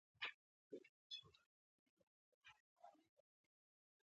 اوږدې خبرې پیل شوې.